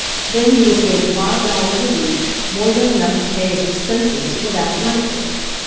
Then he was get ting five dollars a week, more than enough to pay his expenses, without night work.